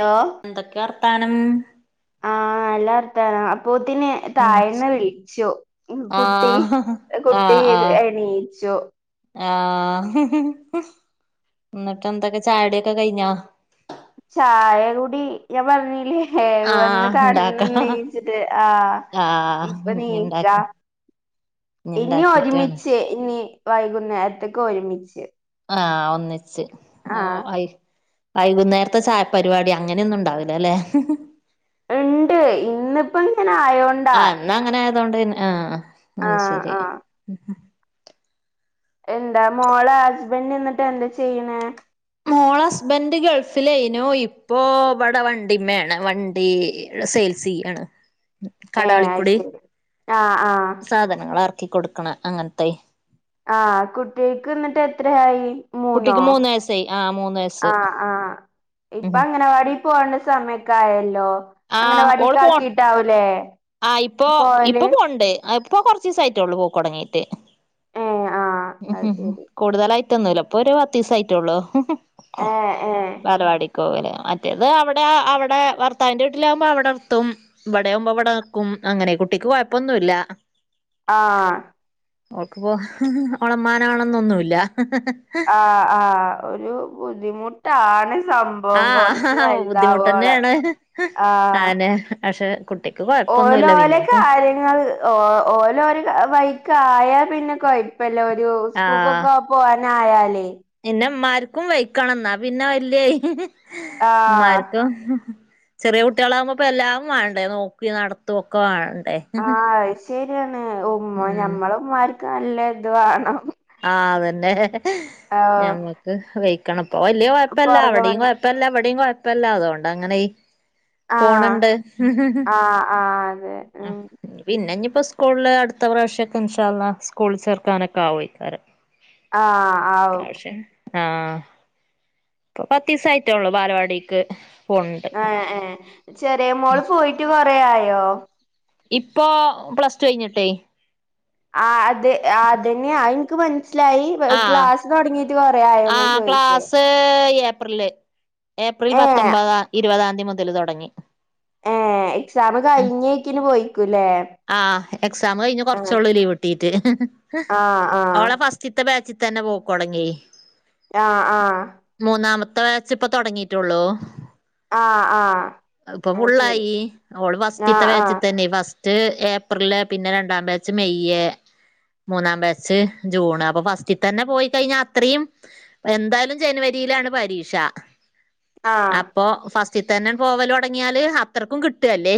Law എന്തൊക്കെ വർത്താനം ആ നല്ലവർത്താനം അപ്പൊത്തിന് ഉം താഴന്ന് വിളിച്ചു കുട്ടി ആഹ് കുട്ടി ആഹ് ആഹ് എണീച്ചു ആഹ് ന്നിട്ട് എന്തൊക്കെ ചായടിയൊക്കെ കഴിഞ്ഞാ ചായ കൂടി ഞാൻ പറഞ്ഞീല്ലേ. ഹേ വന്ന് ആഹ് കടന്ന് ഇണ്ടാക്കാ നീച്ചിട്ട് ആഹ് ആഹ് ഇപ്പ ഇഞ്ഞി നീക്ക ഇണ്ടാക്കി ഇഞ്ഞി ഇനി ഇണ്ടാക്കിട്ടാണ് ഒരുമിച്ച് ഇനി വൈകുന്നേര്ത്ത്ക്ക് ഒരുമിച്ച്. ആഹ് ഒന്നിച്ച് ആഹ് ആയി വൈകുന്നേരത്തെ ചായ പരിപാടി അങ്ങനെയൊന്നും ഉണ്ടാവൂല്ല ല്ലെ ണ്ട് ഇന്നിപ്പ ങ്ങനെ ആയോ ആഹ് ന്നങ്ങനെ ആയതൊണ്ട് ആഹ് ആഹ് അയ്ശരി ആഹ് എന്താ മോളെ ഹസ്ബന്റ്ന്ന്ട്ട് എന്താ ചെയ്യണ്? [inaudible] ഹസ്ബന്റ് ഗൾഫിലേയ്നു ഇപ്പോ വടെ വണ്ടിമേണ് വണ്ടി ള്ള സെയിൽസെയ്യാണ്. ഏ അയ് ശെരി ആ ആ. സാധനങ്ങൾ എർക്കി കൊട്ക്കണ അങ്ങൻത്തെ ആഹ് കുട്ട്യേക്ക് ന്നിട്ട് എത്രയായി? മൂന്നോ കുട്ടിക്ക് മൂന്ന് വയസ്സായി ആ മൂന്ന് വയസ്സ് ആഹ് ആഹ് ഇപ്പൊ ഉം അംഗനവാടി പോണ്ട സമയൊക്കെ ആയല്ലോ അംഗനവാടിക്ക് ആക്കിട്ടാവൂലേ ആഹ് ഇപ്പോ ഇപ്പൊ പോവല് പോണ്ട്. ഇപ്പൊ കൊർച്ചീസായിട്ടുള്ളൂ പോക്കൊട്ങ്ങീട്ട്. ഏഹ് ആഹ് അത് ശരി കൂടുതലായിട്ടൊന്നുല്ല. ഇപ്പൊ ഒരു പത്തീസായിട്ടുള്ളൂ. ഏഹ് ഏഹ് ബാലവാടി ക്കോവല് മറ്റേത് അവിടെ അവിടെ ഭർത്താവിന്റെ വീട്ടിലാവ്മ്പോ അവിടെർത്തും ഇവടെയാവ്മ്പോ ഇവിടെ ക്കും അങ്ങനെ കുട്ടിക്ക് കൊഴപ്പൊന്നുല്ല. ആഹ് ഓക്ക്പ്പോ ഓളെ മ്മാനെ വേണൊന്നൊന്നുല്ല. ആഹ് ആഹ് ഒരു ബുദ്ധിമുട്ടാണ് സംഭ വം കൊർച്ച് ആഹ് വൽതാവോളം ആഹ് ഏഹ് പശെ കുട്ടിക്ക് കൊ ഓല് ഓലെ കാര്യ ങ്ങൾ ഓ ഓര് വഴിക്ക് ആയാ പിന്നെ കൊഴപ്പല്ല. ഒരു ആഹ് സ്കൂക്കൊക്കെ പോവാനായാലേ പിന്നെ ഇമ്മാര്ക്കും വെയ്ക്കണം ന്നാ പിന്നെ വല്യ ആഹ് ഇമ്മാര്ക്കും ചെറിയ കുട്ട്യാളാവുമ്പോ ഇപ്പോ എല്ലാം വാണ്ടേ നോക്കി നട്ത്തൊക്കെ വാണ്ടേ ആഹ് അയ് ശരിയാണ്. ഉമ്മ ഉം ഞമ്മള ഉമ്മാര്ക്ക് നല്ല ഇത് വാണം. ആഹ് അതന്നെ ആഹ് ഞമ്മക്ക് വെയ്ക്കണം. പ്പൊ വല്ല്യ കൊയ്പ്പല്ല പൊറകെ അവിടിം വന്ന് കൊഴ പ്പല്ലാ ഇവിടിം കൊഴ്പ്പല്ല അതുകൊണ്ട് അങ്ങനെയി ആഹ് പോണ്ണ്ട്. ആഹ് ആഹ് അതെ ഉം പിന്നെ ഇഞ്ഞ്പ്പോ സ്കൂൾല് അടുത്ത പ്രാവശ്യക്കെ ഇൻഷാ അള്ളാ സ്കൂളിൽ ചേർക്കാനൊക്കെ ആവോയ്ക്കാരം. ആഹ് ആവും പ്രാശ്യം ആഹ് ഇപ്പ പത്തീസായിട്ടുള്ളൂ ബാലവാടിക്ക് പോണണ്ട് ആഹ് ഏഹ് ചെറിയ മോള് പോയിട്ട് കൊറെയായോ? ഇപ്പോ പ്ലസ് ടു കഴിഞ്ഞിട്ടേ ആഹ് അത് അതെന്നെ അയിൻക്ക് മൻസ്സിലായി ആഹ് ക്ലാസ് തൊട്ങ്ങി ആഹ് ക്ലാസ് ഏപ്രില്ല് ഏപ്രിൽ ഏഹ് പത്തൊമ്പതാം ഇരുവതാം ന്തി മുത ല് തൊടങ്ങി. ഏഹ് എക്സാം കഴിഞ്ഞേക്കിന് പോയിക്കൂല്ലേ. ആഹ് എക്സാം കഴിഞ്ഞ് ആഹ് കൊർച്ചൊള്ളൂ ലീവ് കിട്ടീട്ട് ആഹ് ആഹ് ഓളെ ഫസ്റ്റ് ഫസ്റ്റ്ത്തെ ബാച്ചിത്തന്നെ പോക്കൊട്ങ്ങിയെ ആഹ് ആഹ് മൂന്നാമത്തെ ബേച്ച്പ്പം തൊടങ്ങിട്ടൊള്ളൂ ആഹ് ആഹ് അഹ്പ്പൊ അത് ശരി ഫുള്ളായി ഓള് ആഹ് ഫസ്റ്റിത്തെ ആഹ് ബാച്ചിതന്നെ ഫസ് സ്റ്റ് ഏപ്രില് പിന്നെ രണ്ടാ ബാച്ച് മെയ്യ് മൂന്നാം ബാച്ച് ജൂണാ അപ്പൊ ഫസ്റ്റിത്തന്നെ പോയി കഴിഞ്ഞാ അത്രീം എന്തായാലും ജനുവരിയിലാണ് പരീക്ഷ ആഹ് അപ്പൊ ഫസ്റ്റിത്തന്നെ പോവലൊട്ങ്ങിയാല് അത്രക്കും കിട്ടെല്ലെ?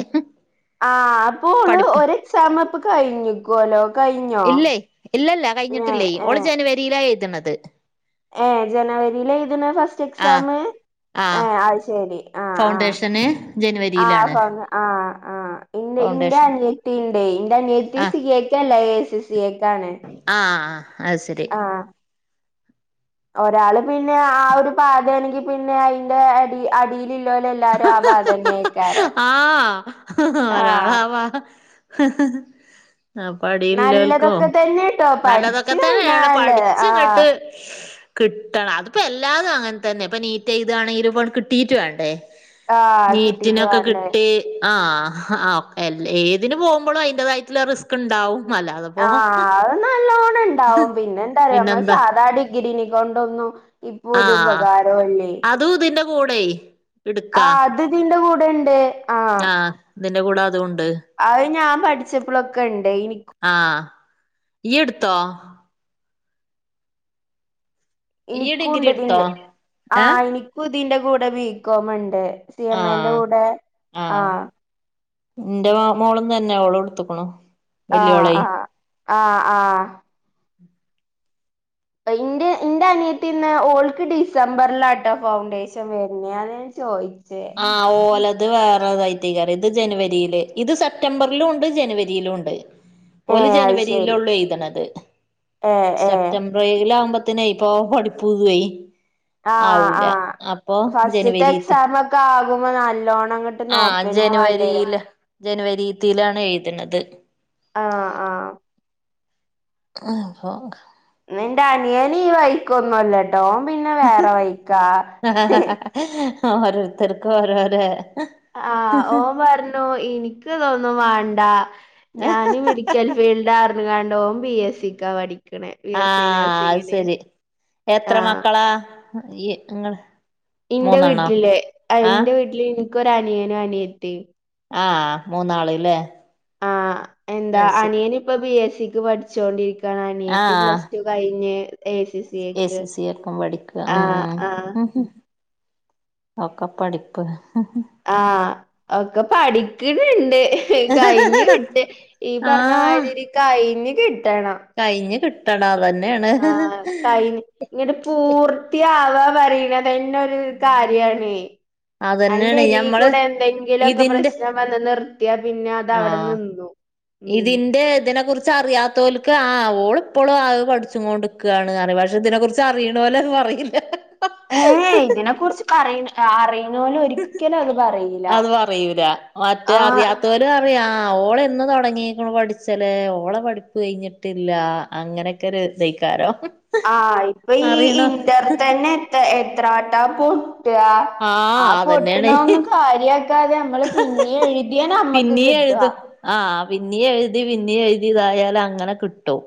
ആഹ് അപ്പോള് ഒരു എക്സാമപ്പം കഴിഞ്ഞിക്കുവല്ലോ കഴിഞ്ഞോ? ഇല്ലേ ഏഹ് ഏഹേ ത്തീല എഴ്ത്ണത് ഏഹ് ജനുവരിയിലാ എഴ്ത്ണെ ഫസ്റ്റ് ആ എക്സാമ്? ആ ഏഹ് അയ്ശെരി ഫൗണ്ടേഷന് ജനുവരിയിലാണ് ഫൗണ്ട് ആഹ് ആഹ് ഇന്റെ ഇന്റെ ഫൗണ്ടേഷൻ അനിയത്തിയിണ്ടെ ഇന്റെ അനയത്തി ആ സി എ ക്കല്ല എ സി സി എ ക്കാണ് ആഹ് അഹ്സെരി ഒരാള് പിന്നെ ആ ഒരു പാതയാണെങ്കി പിന്നെ അയിന്റെ അടി അടിയിലുള്ളോല് എല്ലാരും ആ പാത തന്നെയ്ക്കാരം ആഹ് ആഹ് ഒരാളവ ഹ് ഹ് ആ പടിയില്ലൽക്കോ നല്ലതൊക്കെ തന്നെട്ടോ നല്ലതൊക്കെ പഠിച്ച് തന്നേണ് കഴിഞ്ഞാല് പഠിച്ച ആഹ് ഇങ്ങട്ട് കിട്ടണം അത്പ്പോല്ലാതുഅങ്ങൻ തന്നെ ഇപ്പ നീറ്റെയ്താണേലുപ്പ കിട്ടീറ്റ് വേണ്ടേ ആഹ് കിട്ടീട്ട് നീറ്റിനൊക്കെ വാണ്ടേ കിട്ടി ആഹ് ഹ ആഹ് എല്ലേ ഏതിനു പോവുമ്പളും അയിന്റതായിറ്റ്ള്ള റിസ്ക്ണ്ടാവും അല്ലാതപ് പോഹും അഹ് അതന്നെ നല്ലോ ളിണ്ടാവും പിന്നെ എന്തറ്യോ മ്മൾ പിന്നെന്താ സാധാ ഡിഗ്രീനികൊണ്ടൊന്നു ഇപ്പൊരു പകാരോല്ലെയ് അതൂതിന്റെ കൂടെയ് ആഹ് അത് തിന്റെ കൂടെണ്ട് ആഹ് തിന്റെ കൂടെ അതുണ്ട് അഹ് ഞാൻ പഠിച്ചപ്പളോക്കെണ്ടയ്നി ക്കു ആഹ് ഇയ്യ്ടുത്തോ ഇയ്യ് ഡിഗ്രി എനിക്കുംണ്ട് എടുത്തോ ഇതിന്റെ ഏഹ് ആഹ് എനിക്കും ഇതിന്റെ കൂടെ വീക്കോമണ്ട് ത്ത്യിമ്മേന്റെ ആഹ് കൂടെ ആഹ് ന്റെ വാമോളന്ന്ന്നെ ഓളടുത്തക്കണോ ആഹ് ആഹ് ആഹ് ആഹ് പഇന്റെ ഇന്റെ അനിയത്തിന്ന് ഓൾക്ക് ഡിസംബർലാട്ടോ ഫൗണ്ടേഷൻ വര് ഞ്ഞേന്ന് ജോയ് ആഹ് ഓല ഇത് വേറെ വൈറ്റയ്കാറരം ഇത് ജനുവരീല് ഇത് സെപ്റ്റംബർലുണ്ട് ജനുവരീലുണ്ട് ഓല് ഏഹ് അത് ശരി ജനുവരീലൊള്ളൂയ്തണത് ഏഹ് ഏഹ് സെപ്റ്റം റൈലാവുമ്പത്തിനൈ ഇപ്പൊ പഠിപ്പു വ്വൊയ്‌ ആഹ് ആഹ് ഫസ്റ്റ്ത്തെ ജനുവരിത്ത് എക്സാമക്ക ആകുമ്പോ നല്ലോണം ആഹ് നോക്കന്നെ വേണ്ടിവരും ജനുവരീല് ജനുവരീ ത്തേയ്ലാണ് എയ്ത്ണത് ആഹ് ആഹ് അപ്പോൾ ഇന്ന്ന്റെ അനിയന് ഈ വൈക്കൊന്നൊല്ലട്ടൊ ഓൻ പിന്നെ വേറെവയ്ക്കാ. ഓരോര്ത്തർക്ക് ഓരോരെ ആഹ് ഓൻ പർഞ്ഞു ഇന്ക്ക്തൊന്നും വേണ്ട. ഞാന് മെഡിക്കൽ ഫീഡ്ലാ പർഞ്ങ്ങാണ്ട് ഓന് പി എസിക്കാ പഠി ആഹ് അഹ് സെരി എത്ര ആഹ് മക്കളാ ഇങ്ങള് ഇന്റെ മൂന്നെണ്ണോ വീട്ട്ല് ആഹ് ഇന്റെ വീട്ട്ല് ഇൻക്കൊര് അനിയനും, അനിയത്തിം ആഹ് മൂന്നാള്ലെ ആഹ് എന്താ അനിയനിപ്പം ബി എ സിക്ക് പഠിച്ചോണ്ടിരി അനിയത്തി ആഹ് പ്ലസ് ടു കഴിഞ് എസി സി എ ഐക്ക് സി ഒക്കെ പഠിക്ക ആഹ് ഉം ആഹ് ഒക്കെ പഠിപ്പ് ആഹ് ഒക്കെ പഠിക്ക്ണ് ണ്ട്. ട്ട് കഴിഞ്ഞ് കിട്ട് ഈ പറിഞ്ഞമാതിരി കഴിഞ്ഞ് കിട്ടണം. കയിഞ് കിട്ടണം അതനെണ് ങട്ട് പൂർത്തിയാവാ പറിണതെന്നെ ഒരു കാര്യാണെ അതന്നെയാണ് ഞമ്മള് അതിന്റെടീകൂടെ എന്തെങ്കിലൊക്കെ ഇതിന്റെ പ്രശ്നം വന്ന് നിർത്തിയാപിന്നെ അത് അവടെ ആഹ് നിന്നു. ഉം ഇതിന്റെ ഇതിനെ കുറിച്ചറിയാ തോൽക്ക ആഹ് ഓള് പ്പളും അഹ് പഠിച്ചു കൊണ്ട്ക്കാണ് റിം പക്ഷെ ഇതിനെ കുറിച്ച് അറിണോൽ അത് പറീല. ഏഹ് ഇതിനെ കുർച്ച് പറിന് അറിണോൽ ഒരിക്കലും അത് പറീല ആഹ്. ഓര് പറിം ആഹ് ഓള് എന്ന് തൊടങ്ങീക്ക്ണ് പഠിച്ചല് ഓളെ പഠിപ്പ് കഴിഞ്ഞിട്ടില്ല അങ്ങനെ ഓക്കെ രസെയ്കാരം ആഹ് ഇപ്പ ഈ ഇന്ററ്തന്നെ എത്രവെട്ടാ പൊട്ടാ ആഹ് പൊട്ട്ണൊന്നും കാര്യാക്കാതെ ഞമ്മള് പിന്നീം എഴ്തിയ ഞമ്മക്ക് പിന്നീം എഴുതും. ആഹ് പിന്നീം എഴ്തി പിന്നീം എഴ്തി തായാല് അങ്ങനെ ക്ട്ട്ടും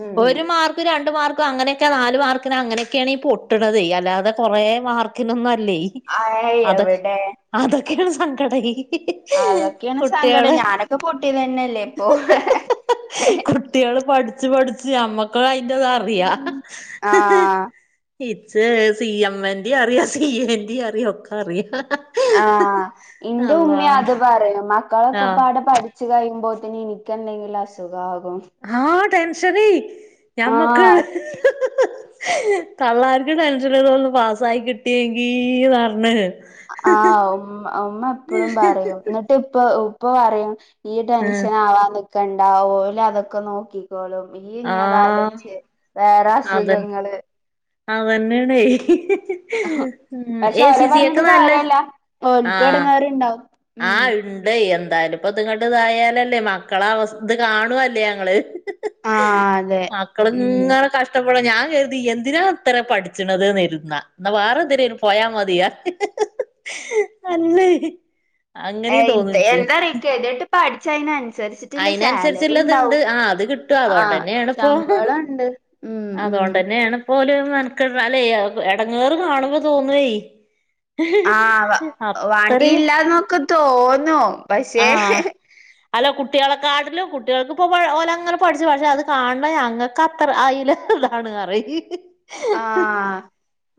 ഉം ഉം ഒരു മാർക്കും രണ്ട് മാർക്കും ങ്ങനൊക്കെ നാല് മാർക്കിന് അങ്ങനൊക്കാണീ പൊട്ട്ണത് അല്ലാതെ കൊറേ മാർക്കിനൊന്നല്ലെ ആയ് അത് എവിടെ അതൊക്കേണ് സങ്കടെയ് അതൊക്കേണ് സങ്കടെ ഞാനൊക്കെ പൊട്ടീതന്നെല്ലെപ്പൊ? കുട്ട്യാള് പഠ്ച്ച് പഠ്ച്ച് ഞമ്മക്ക അയിന്റെതറിയാ ആഹ് ഇച്ച് സീ എ മ്മ ന്റെറിയാ സീ ഏ ന്റീ യറിയാ ഒക്കറിയാ ആഹ് ഇന്റെ ഉമ്മിം അത് പറീണ് ആഹ് മക്കളൊക്കെപ്പാടെ പഠ് ച്ച് കയ്യുമ്പോത്തിന് ഇനിക്കെന്തെങ്കിലും അസുഖാകും ആഹ് ടെൻഷനേ ഞമ്മക്ക് ആഹ് തള്ളാർക്ക് ടെൻഷന് തൊന്ന് പാസ്സായി കിട്ടേങ്കീന്നറഞ്ഞ് ആഹ് ഉമ്മ ഉമ്മപ്പെളും പറിയും എന്ന്ട്ട്പ്പ ഉപ്പ പറയും ഇയ്യ് ആഹ് ടെൻഷനാവനിക്കണ്ട ഓലതൊക്കെ നോക്കി ക്കോളും ആഹ് ഇയ്യ്ഞതാലോയ്ച്ച് വേറെ അസുഖങ്ങള് ആഹാ വെന്ന്ണെയ് ഉം പക്ഷെ ഏ ഓലെ സീ സിയക്ക് നല്ല ആഹ് ട്ട്ണ്ടാവും ആഹ് ഇണ്ടയ് എന്തയാലുപ്പത്ങ്ങ്ട്ട്തായാലല്ലെ മക്കളവസ് ഇത് കാണുവല്ലെ ഞങ്ങള് ആഹ് അതെ ഉം മക്കള്ങ്ങനെ കഷ്ട പ്പെടാ ഞാൻ കെര്തി എന്തിനാത്രെ പഠിച്ച്ണത് ന്നര്തുന്നാ ഇന്നാ വെറന്തിനേലു പോയാ മതിയറ് അല്ലെയ് ഏയ് എന്താറീ ക്കെതിയട്ട് പഠിച്ചാ അയിനൻസരിച്ച് അയിനൻസരിച്ച്ള്ളത്ണ്ട് ആഹ് അത് കിട്ടും ആഹ് അതോണ്ടന്നേണ്പ്പൊ ശമ്പളം ഇണ്ട് ഉം ഉം അതോണ്ട് ണേണ്പ്പോല് മെൻക്കട്ണ് അല്ലെ എടങ്ങേറ് കാണുമ്പൊ തോന്നൊയ് ആഹ് വ അത്രയും വാണ്ടീല്ലാന്നൊക്കെ തോന്നു ആ പഷെ അല്ല കു കുട്ടീളക്കാട്ട്ലും കുട്ടിള്ക്പ്പൊ ഓലങ്ങനെ പട്ച്ചും അത് കാണ്ണ ഞങ്ങക്കത്ര അയില് ങ്ങേറാണറിം ആഹ്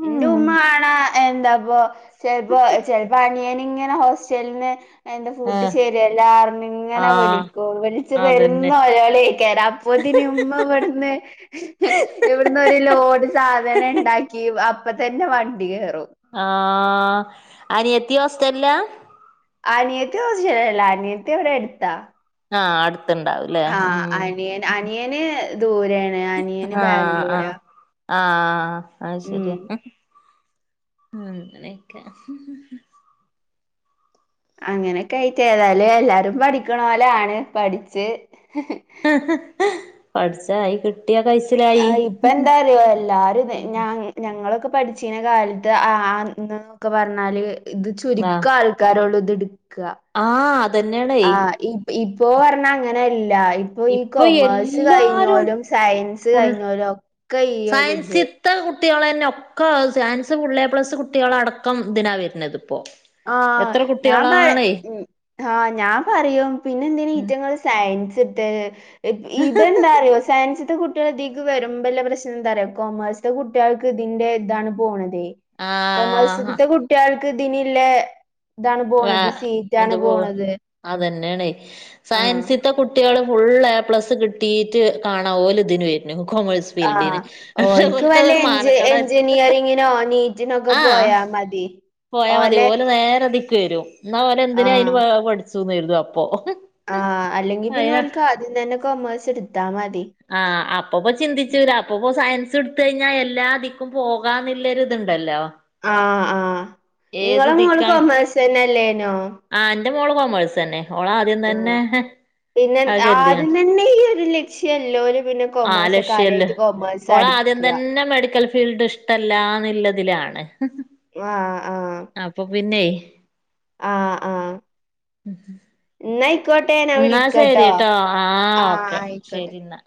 ഇന്റെ ഉമ്മകാണാ എന്താ പ്പൊ ചെൽപ്പൊ ചെൽപ്പൊ അനിയന്ങ്ങനെ ഹോസ്റ്റൽന്ന് എന്റെ ഫുഡ്ഡ് ശരിയല്ലാ അറഞ്ങ്ങനെ ആ വിളിക്കും വുളിച്ച് പെരും അതന്നെ നെലോളെക്കാരം പ്പത്തിന് ഇമ്മ ഇവ്ടുന്ന് ഇവിട്ന്നൊര് ലോട് അപ്പത്തന്ന ഇണ്ടാക്കി അപ്പത്തന്നെ വണ്ടി കേറും ആഹ് അനിയത്തി ഹോസ്റ്റ്ൽല അനിയത്തി ഹോസ്റ്റൽല അനിയത്തിവടൊ അട്ത്ത ആഹ് അടുത്ത്ണ്ടാവു ആഹ് അനിയന്. അനിയന് ദൂരൊണ് അനിയന് ആഹ് ബാംഗ്ലൂരാ. ആഹ് ആഹ് അത് ഉം ശരി ഉം ങ്ങനക്കൊ അങ്ങനെക്കായിട്ട് എല്ലാരും പഠിക്ക്ണോലാണ് പഠിച്ച്. പഠ്ച്ചായി കിട്ട്യ കഴ് ആഹ് ഇപ്പെന്താ അറിയൊ എല്ലാരും ഞാ ഉം ഞങ്ങളൊക്കെ പഠ്ച്ചീന്ന കാൽത്ത് ആഹ് ന്നൊക്കെ പറ്ഞ്ഞാല്. ഇത് ആഹ് ചുരുക്കം ആൾ ആൾക്കാരോട് ഇത്ട്ക്ക ആഹ് അതന്നെയാണേ ആഹ് ഇ ഇപ്പൊ പറഞ്ഞ അങ്ങനല്ലാ ഇപ്പൊ ഈ കൊമേഴ്സ് കഴിഞ്ഞോലും സയൻസ് ഫുൾ കഴിഞ്ഞോലും ഒക്കെ ഈ ഒര് ഇത്. ത്തെ കുട്ടീളെന്നെ ഒക്കെ സയൻസ് പുള്ള് ഏപ്ലസ് കുട്ടീളടക്കം ഇതിന വർണത്പ്പൊ ആ ഞാൻ പ യെ ഉം ആഹ് ഞാൻ പറയും പിന്നെ എന്തിന റ്റിങ്ങള് സയൻസ് ട്ട് ഇതെന്താറിയോ സയൻസ് ഇത്തെ കുട്ടികൾ ഇതിക്ക് വരുമ്പോ ല്ല പ്രശ്നം എന്താ അറിയോ കോമേഴ്സത്തെ കുട്ടികൾക്ക് ഇതിന്റെ ഇതാണ് പോണതേ. ആഹ് കൊമേഴ്സത്തെ കുട്ടിയാൾക്ക് ഇതിനില്ലേ ഇതാണ് വ പോണത് അത് സീറ്റാണ് പൊ കും പോണത് അതന്നെയാണ് ആഹ് സയൻസി ഇത്തെ കുട്ടികള് ഫുൾ എ പ്ലസ് കിട്ടിയിട്ട് കാണാ ഓല് ഇതിന് വരുന്നു കോമേഴ്സ് ആഹ് ഓല്ക്ക് വല്ല എഞ്ച എഞ്ചിനിയറിങ്ങിനോ നീറ്റ്- നൊക്കെ ആഹ് പോയാ മതി. പോയാ മതി ഓലെ പോലെ നേരതിക്ക് വരും എന്നാ ഓല് എന്തിന അതിന് പഠിച്ചുന്ന് വര് ന്ന അപ്പൊ ആ അല്ലെങ്കിൽ പിന്നെോ അയ്ന് ഓല്ക്ക് ആദ്യം തന്നെ കൊമേഴ്സ് എടുത്താ മതി. ആഹ് അപ്പപ്പോചിന്തിചൂല്ല അപ്പപ്പോ സയൻസ് എടുത്ത് കഴിഞ്ഞാൽ എല്ലാധിക്കും പോക വാന്ളള ഇതുണ്ടല്ലോ ആഹ ആഹ് ഏത് ഇങ്ങളെ മോൾ ദിക്കാണ് കോമെഴ്‌സ് ന്നെ അല്ലേനോ? ആഹ് എന്റെ മോള് കോമേഴ്സ് തന്നെ ഓള് ആദ്യം ആ തന്നെ പിന്നെ അത് കരുതിയാണ് ആദ്യം തന്നെ ഈ ഒരു ലക്ഷ്യല്ലോല് പിന്നെ ആ കൊമേഴ്സ് ലക്ഷ്യല്ലേ കാര്യായിട്ട് കൊമേഴ്സാ ഓൾ ആദ്യം ഇട്ക്ക തന്നെ മെഡിക്കൽ ഫീൽ- ഫീൽഡ് ഇഷ്ടല്ലാന്നള്ളതിലാണ്. ആഹ് ആഹ് അപ്പൊ പിന്നെ ആഹ് ആഹ് [inaudible] ന്നായ്ക്കൊട്ടേ ന്നാ ശരി ട്ടോ ആഹ് ഓക്കെ ആയിക്കോട്ടെ ശരി എന്നാ